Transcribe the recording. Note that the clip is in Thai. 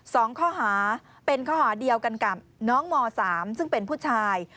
สองข้อหาเป็นข้อหาเดียวกันกับน้องมสามซึ่งเป็นผู้ชาย